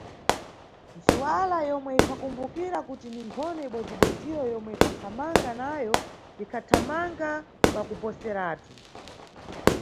Ntsuwala, yomwe ikhakumbukira kuti ni nkhono ibodzi-bodziyo yomwe inkhathamanga nayo, ikhathamanga kwa kuposeratu.